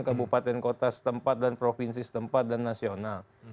kabupaten kota setempat dan provinsi setempat dan nasional